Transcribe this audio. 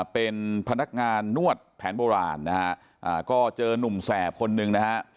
เป็นพนักงานนวดแผนโบราณนะฮะก็เจอนุ่มแสบคนหนึ่งนะฮะ